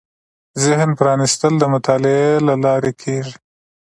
ذهن پرانېستل د مطالعې له لارې کېږي